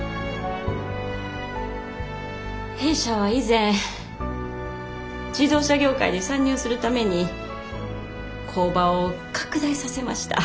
弊社は以前自動車業界に参入するために工場を拡大させました。